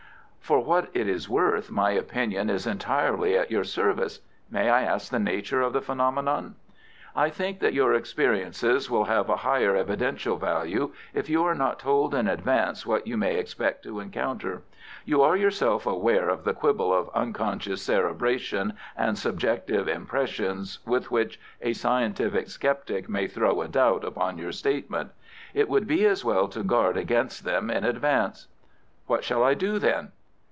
"For what it is worth my opinion is entirely at your service. May I ask the nature of the phenomenon?" "I think that your experiences will have a higher evidential value if you are not told in advance what you may expect to encounter. You are yourself aware of the quibbles of unconscious cerebration and subjective impressions with which a scientific sceptic may throw a doubt upon your statement. It would be as well to guard against them in advance." "What shall I do, then?"